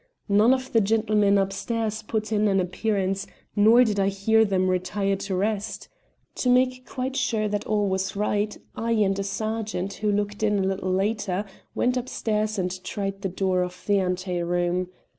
None of the gentlemen upstairs put in an appearance, nor did I hear them retire to rest. To make quite sure that all was right, I and a sergeant who looked in a little later, went upstairs and tried the door of the ante room.